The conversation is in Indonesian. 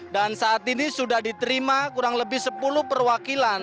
dan saat ini sudah diterima kurang lebih sepuluh perwakilan